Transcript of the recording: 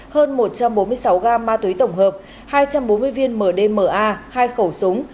hơn một trăm bốn mươi sáu gam ma túy tổng hợp hai trăm bốn mươi viên mdma hai khẩu súng